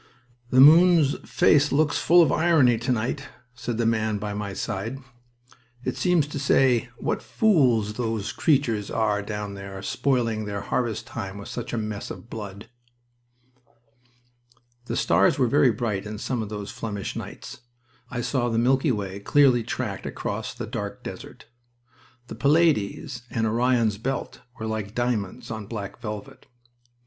"The moon's face looks full of irony to night," said the man by my side. "It seems to say, `What fools those creatures are down there, spoiling their harvest time with such a mess of blood!'" The stars were very bright in some of those Flemish nights. I saw the Milky Way clearly tracked across the dark desert. The Pleiades and Orion's belt were like diamonds on black velvet.